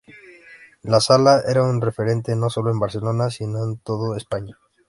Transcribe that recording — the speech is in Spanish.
La sala era un referente no solo en Barcelona sino en toda España.